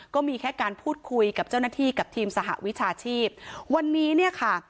ก็มีแค่การพูดคุยกับเจ้าหน้าที่กับทีมสหวิชาชีพวันนี้เนี่ยค่ะ